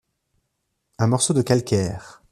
Un morceau de calcaire.